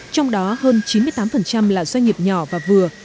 trong đó hơn chín mươi tám là doanh nghiệp nhỏ và vừa